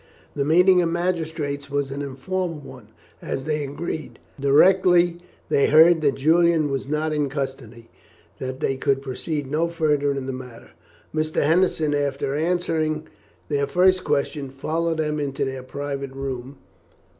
The meeting of magistrates was an informal one, as they agreed, directly they heard that Julian was not in custody, that they could proceed no further in the matter. Mr. Henderson, after answering their first question, followed them into their private room.